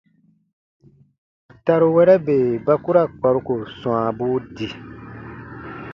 Taruwɛrɛ bè ba ku ra kparuko swãabuu di.